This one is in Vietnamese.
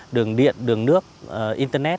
đường điện đường nước internet